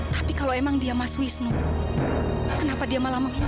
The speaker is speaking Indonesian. tapi kalau emang dia mas wisnu kenapa dia malah menghina